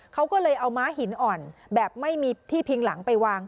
เขาก็เลยเอาม้าหินอ่อนแบบไม่มีที่พิงหลังไปวาง